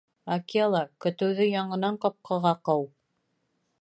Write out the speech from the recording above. — Акела, көтөүҙе яңынан ҡапҡаға ҡыу!